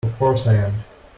Of course I am!